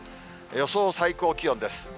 予想最高気温です。